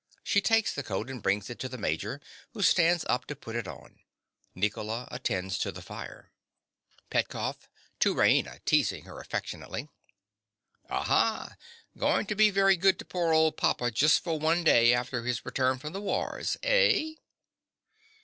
(She takes the coat, and brings it to the Major, who stands up to put it on. Nicola attends to the fire.) PETKOFF. (to Raina, teasing her affectionately). Aha! Going to be very good to poor old papa just for one day after his return from the wars, eh?